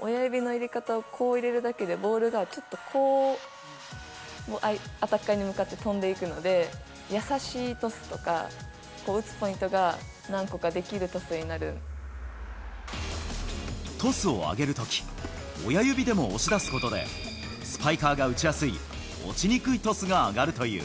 親指の入れ方をこう入れるだけで、ボールがちょっと、こう、アタッカーに向かって飛んでいくので、優しいトスとか、打つポイトスを上げるとき、親指でも押し出すことで、スパイカーが打ちやすい落ちにくいトスが上がるという。